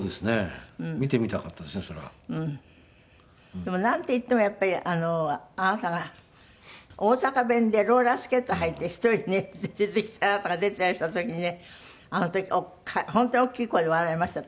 でもなんていってもやっぱりあなたが大阪弁でローラースケート履いて１人ね出てきてあなたが出ていらした時にねあの時本当に大きい声で笑いました私。